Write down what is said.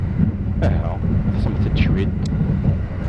Aha, ḍsemt-d cwiṭ.